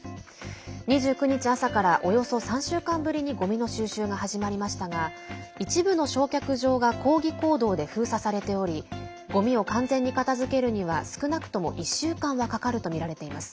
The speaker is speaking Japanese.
２９日朝からおよそ３週間ぶりにゴミの収集が始まりましたが一部の焼却場が抗議行動で封鎖されておりゴミを完全に片づけるには少なくとも１週間はかかるとみられています。